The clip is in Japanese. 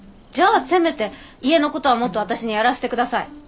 じゃあせめて家のことはもっと私にやらせてください。